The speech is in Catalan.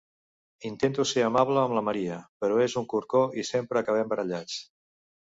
Intento ser amable amb la Maria, però és un corcó i sempre acabem barallats.